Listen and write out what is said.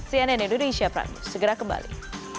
cnn indonesia prime segera kembali